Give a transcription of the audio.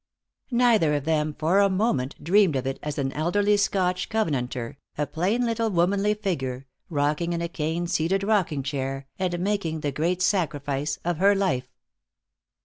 Neither of them, for a moment, dreamed of it as an elderly Scotch Covenanter, a plain little womanly figure, rocking in a cane seated rocking chair, and making the great sacrifice of her life.